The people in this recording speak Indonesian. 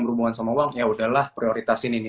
berhubungan sama uang ya udahlah prioritaskan ini